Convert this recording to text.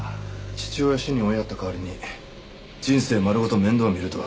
父親を死に追いやった代わりに人生丸ごと面倒を見ると。